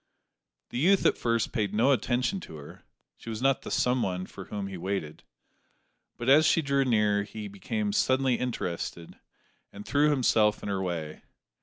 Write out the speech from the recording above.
The youth at first paid no attention to her (she was not the "someone" for whom he waited); but as she drew near, he became suddenly interested, and threw himself in her way.